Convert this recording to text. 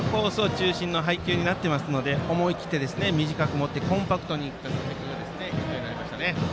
中心の配球になっていますので思い切って短く持ってコンパクトに振った結果がヒットになりました。